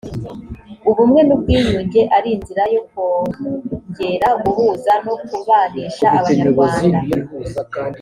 ubumwe n ubwiyunge ari inzira yo kongera guhuza no kubanisha abanyarwanda